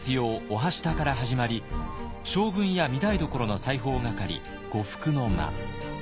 「御半下」から始まり将軍や御台所の裁縫係「呉服之間」。